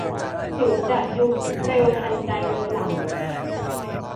สิวจะยุบเร็วทันใจเลยล่ะ